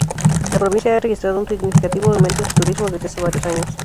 La provincia ha registrado un significativo aumento en su turismo desde hace varios años.